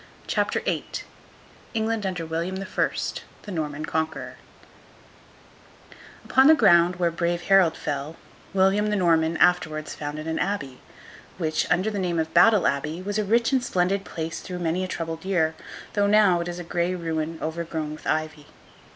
CHAPTER VIII ENGLAND UNDER WILLIAM THE FIRST, THE NORMAN CONQUEROR Upon the ground where the brave Harold fell, William the Norman afterwards founded an abbey, which, under the name of Battle Abbey, was a rich and splendid place through many a troubled year, though now it is a grey ruin overgrown with ivy.